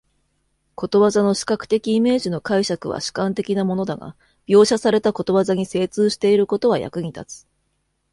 ことわざの視覚的イメージの解釈は主観的なものだが、描写されたことわざに精通していることは役に立つ。